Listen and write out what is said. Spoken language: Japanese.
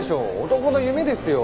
男の夢ですよ。